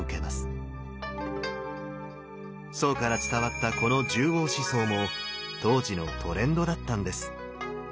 宋から伝わったこの十王思想も当時のトレンドだったんです。